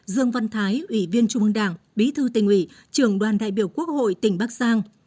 dương văn thái ủy viên trung ương đảng bí thư tỉnh ủy trường đoàn đại biểu quốc hội tỉnh bắc giang